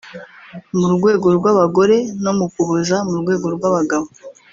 mu rwego rw’abagore no mu Kuboza mu rwego rw’abagabo